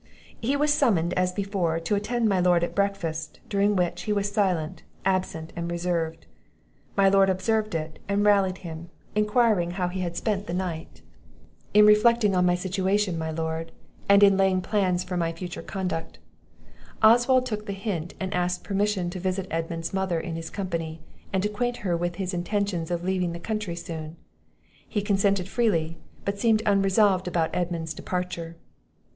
He was summoned, as before, to attend my lord at breakfast; during which, he was silent, absent, and reserved. My Lord observed it, and rallied him; enquiring how he had spent the night? "In reflecting upon my situation, my Lord; and in laying plans for my future conduct." Oswald took the hint, and asked permission to visit Edmund's mother in his company, and acquaint her with his intentions of leaving the country soon. He consented freely; but seemed unresolved about Edmund's departure.